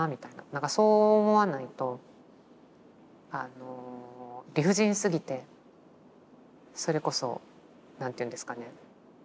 なんかそう思わないとあの理不尽すぎてそれこそ何て言うんですかね